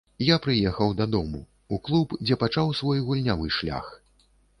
Я прыехаў дадому, у клуб, дзе пачаў свой гульнявы шлях.